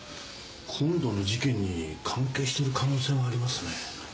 今度の事件に関係してる可能性もありますね。